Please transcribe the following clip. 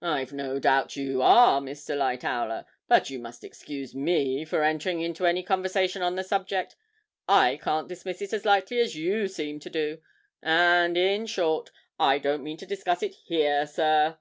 'I've no doubt you are, Mr. Lightowler, but you must excuse me from entering into any conversation on the subject. I can't dismiss it as lightly as you seem to do and, in short, I don't mean to discuss it here, sir.'